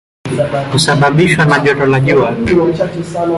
Husababishwa na joto la jua.